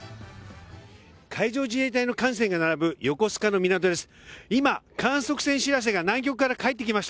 海上自衛隊の艦船が並ぶ横須賀の港です。